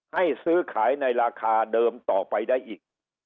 ให้ซื้อขายในราคาเดิมต่อไปได้อีก